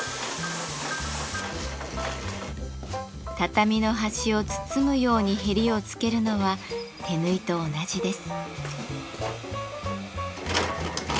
畳の端を包むようにへりを付けるのは手縫いと同じです。